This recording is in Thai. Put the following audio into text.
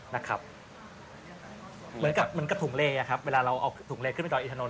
เหมือนกับถุงเลครับเวลาเราเอาถุงเลขึ้นไปตรงอีธานนทร์